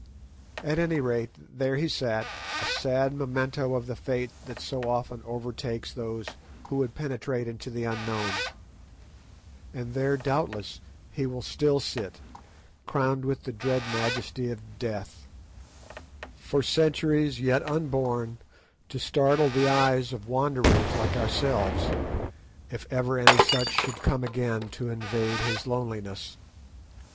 At any rate, there he sat, a sad memento of the fate that so often overtakes those who would penetrate into the unknown; and there doubtless he will still sit, crowned with the dread majesty of death, for centuries yet unborn, to startle the eyes of wanderers like ourselves, if ever any such should come again to invade his loneliness.